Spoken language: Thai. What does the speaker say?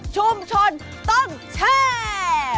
ชุมชนต้องแชร์